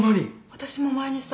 私も前にさ。